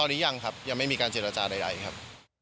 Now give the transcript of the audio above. หรือยังครับยังไม่มีการเจรจาใดครับ